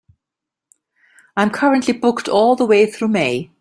I'm currently booked all the way through May.